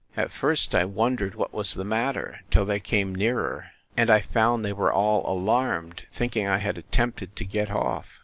At first I wondered what was the matter, till they came nearer; and I found they were all alarmed, thinking I had attempted to get off.